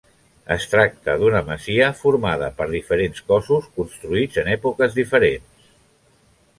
Es tracta masia formada per diferents cossos construïts en èpoques diferents.